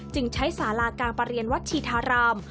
จึงใช้สาราการประเรียนวัดชีธาราม